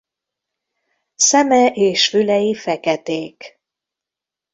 Szeme és fülei feketék.